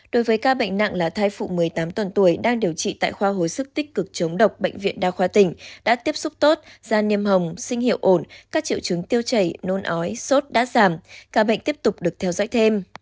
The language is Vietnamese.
đối với ca bệnh nặng là thai phụ một mươi tám tuần tuổi đang điều trị tại khoa hồi sức tích cực chống độc bệnh viện đa khoa tỉnh đã tiếp xúc tốt da niêm hồng sinh hiệu ổn các triệu chứng tiêu chảy nôn ói sốt đã giảm ca bệnh tiếp tục được theo dõi thêm